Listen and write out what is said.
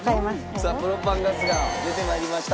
さあプロパンガスが出て参りました。